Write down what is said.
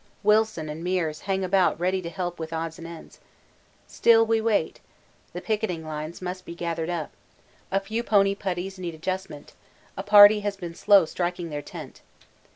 Wilson and Meares hang about ready to help with odds and ends. Still we wait: the picketing lines must be gathered up, a few pony putties need adjustment, a party has been slow striking their tent.